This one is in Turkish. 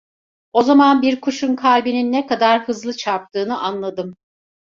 O zaman bir kuşun kalbinin ne kadar hızlı çarptığını anladım.